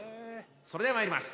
それではまいります。